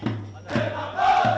aci sementara pembalasan b